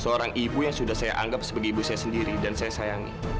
seorang ibu yang sudah saya anggap sebagai ibu saya sendiri dan saya sayangi